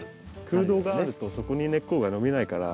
空洞があるとそこに根っこが伸びないから。